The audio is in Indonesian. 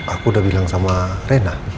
aku udah bilang sama rena